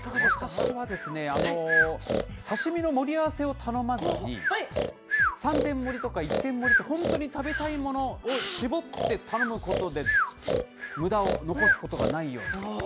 私は刺身の盛り合わせを頼まずに、３点盛りとか１点盛りとかで、食べたいものを絞って頼むことで、むだを、残すことが内容に。